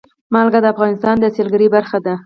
نمک د افغانستان د سیلګرۍ برخه ده.